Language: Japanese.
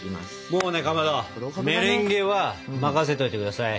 もうねかまどメレンゲは任せといて下さい。